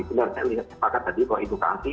benar saya lihat sepakat tadi kalau edukasi